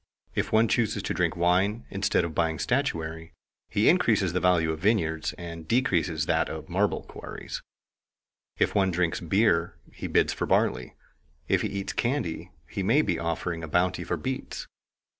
If one chooses to drink wine instead of buying statuary, he increases the value of vineyards and decreases that of marble quarries: If one drinks beer, he bids for barley; if he eats candy, he may be offering a bounty for beets.